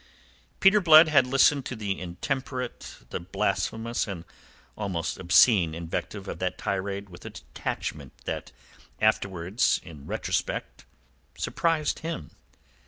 Peter Blood had listened to the intemperate, the blasphemous, and almost obscene invective of that tirade with a detachment that afterwards, in retrospect, surprised him.